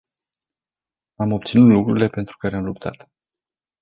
Am obținut lucrurile pentru care am luptat.